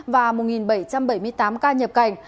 và một bảy trăm bảy mươi tám ca nhập cảnh